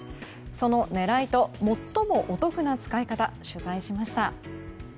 その狙いと、最もお得な使い方取材しました。